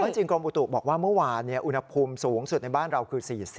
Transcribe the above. จริงกรมอุตุบอกว่าเมื่อวานอุณหภูมิสูงสุดในบ้านเราคือ๔๐